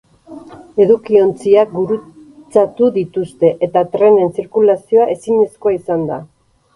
Edukiontziak gurutzatu dituzte eta trenen zirkulazioa ezinezkoa izan da.